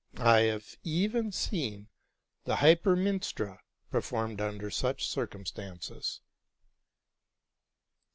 T have even seen the '' Hypermnestra'' performed under such circumstances.